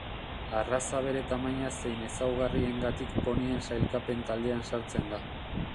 Arraza bere tamaina zein ezaugarriengatik ponien sailkapen taldean sartzen da.